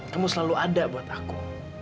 kamu selalu ada buat aku